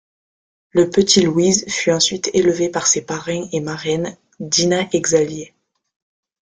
Le petit Luiz fut ensuite élevé par ses parrain et marraine Dina et Xavier.